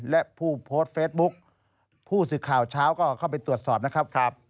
และผู้โพสต์เฟซบุ๊คผู้สื่อข่าวเช้าก็เข้าไปตรวจสอบนะครับ